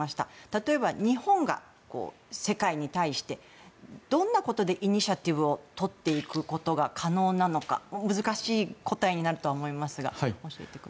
例えば、日本が世界に対してどんなことでイニシアチブをとっていくことが可能なのか難しいお答えになると思いますが。